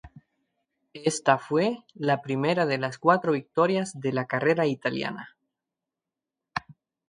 Esta fue la primera de las cuatro victorias de la carrera italiana.